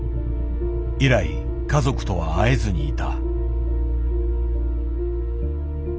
以来家族とは会えずにいた。